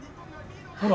ほら。